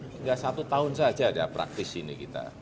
tinggal satu tahun saja ada praktis ini kita